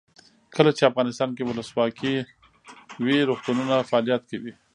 کله چې افغانستان کې ولسواکي وي روغتونونه فعالیت کوي.